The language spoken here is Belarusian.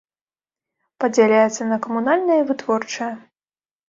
Падзяляецца на камунальнае і вытворчае.